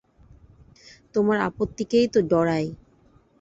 তোমার আপত্তিকেই তো ডরাই।